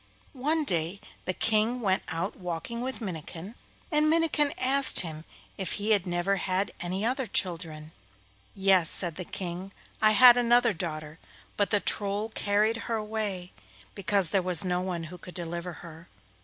One day the King went out walking with Minnikin, and Minnikin asked him if he had never had any other children. 'Yes,' said the King, 'I had another daughter, but the Troll carried her away because there was no one who could deliver her.